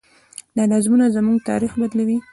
دا نظمونه زموږ تاریخ بدلوي.